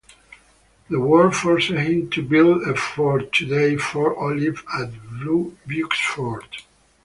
The war forced him to build a fort, today "Fort Olive" at Vieux Fort.